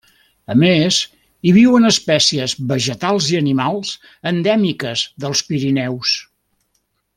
A més, hi viuen espècies vegetals i animals endèmiques dels Pirineus.